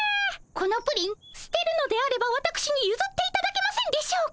このプリンすてるのであればわたくしにゆずっていただけませんでしょうか？